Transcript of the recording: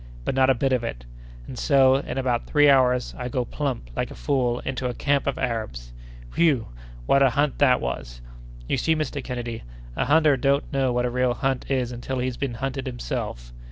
But not a bit of it; and so, in about three hours, I go plump, like a fool, into a camp of Arabs! Whew! what a hunt that was! You see, Mr. Kennedy, a hunter don't know what a real hunt is until he's been hunted himself!